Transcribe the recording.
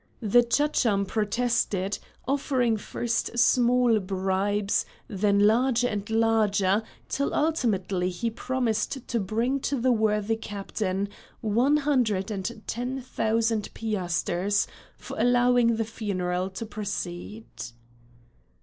The Chacham protested, offering first small bribes, then larger and larger, till ultimately he promised to bring to the worthy captain one hundred and ten thousand piasters for allowing the funeral to proceed.